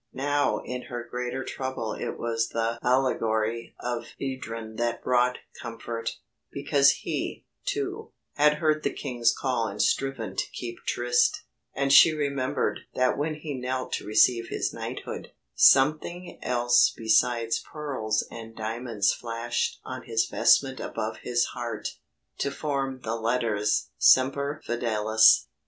Now in her greater trouble it was the allegory of Edryn that brought comfort, because he, too, had heard the King's call and striven to keep tryst, and she remembered that when he knelt to receive his knighthood, something else besides pearls and diamonds flashed on his vestment above his heart, to form the letters "semper fidelis."